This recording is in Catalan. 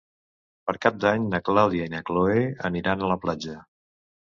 Per Cap d'Any na Clàudia i na Cloè aniran a la platja.